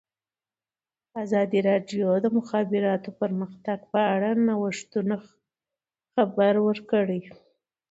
ازادي راډیو د د مخابراتو پرمختګ په اړه د نوښتونو خبر ورکړی.